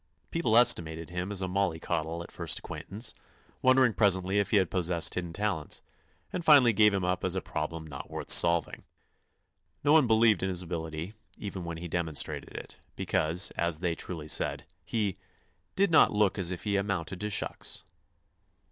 People estimated him as a mollycoddle at first acquaintance; wondered presently if he possessed hidden talents, and finally gave him up as a problem not worth solving. No one believed in his ability, even when he demonstrated it; because, as they truly said, he "did not look as if he amounted to shucks."